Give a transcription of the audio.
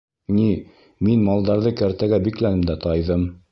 — Ни, мин малдарҙы кәртәгә бикләнем дә тайҙым.